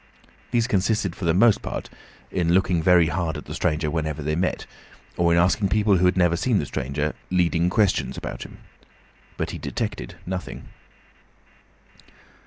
These consisted for the most part in looking very hard at the stranger whenever they met, or in asking people who had never seen the stranger, leading questions about him. But he detected nothing.